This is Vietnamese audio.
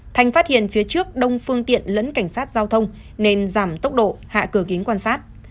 thành phát hiện phía trước đông phương tiện lẫn cảnh sát giao thông nên giảm tốc độ hạ cửa kính quan sát